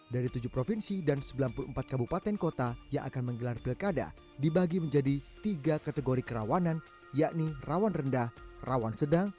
dari tujuh provinsi dan sembilan puluh empat kabupaten kota yang akan menggelar pilkada dibagi menjadi tiga kategori kerawanan yakni rawan rendah rawan sedang